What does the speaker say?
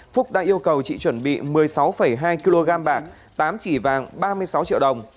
phúc đã yêu cầu chị chuẩn bị một mươi sáu hai kg bạc tám chỉ vàng ba mươi sáu triệu đồng